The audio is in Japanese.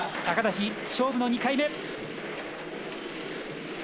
高梨勝負の２回目。